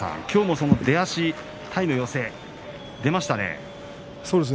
きょうも出足、体の寄せ出ましたね。